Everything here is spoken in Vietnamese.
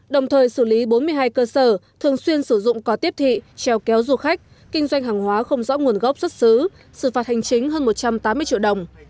đồng thời xử lý bốn mươi hai cơ sở thường xuyên sử dụng co tiếp thị treo kéo du khách kinh doanh hàng hóa không rõ nguồn gốc xuất xứ xử phạt hành chính hơn một trăm tám mươi triệu đồng